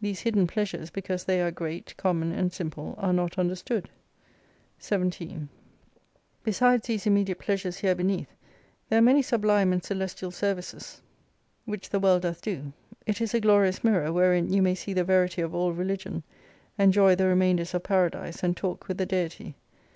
These hidden plea sures, because they are great, common, and simple, are not understood. 17 Besides these immediate pleasures here beneath, there are many sublime and celestial services which 89 the world doth do. It is a glorious mirror wherein you may see the verity of all religion : enjoy the remainders of Paradise, and talk with the Deity.